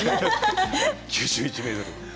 ９１ｍ？